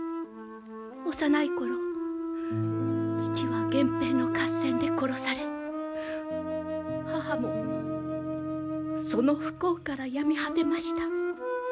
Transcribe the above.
幼い頃父は源平の合戦で殺され母もその不幸から病み果てました。